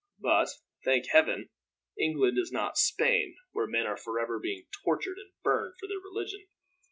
But, thank Heaven, England is not Spain, where men are forever being tortured and burned for their religion.